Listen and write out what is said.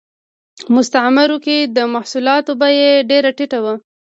په مستعمرو کې د محصولاتو بیه ډېره ټیټه وه